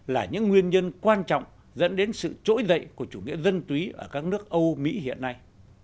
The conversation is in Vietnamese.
là những nguyên nhân quan trọng dẫn đến sự trỗi dậy của chủ nghĩa dân túy ở các nước âu mỹ hiện nay